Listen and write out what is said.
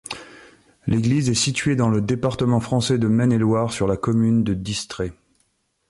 L'église est située dans le département français de Maine-et-Loire, sur la commune de Distré.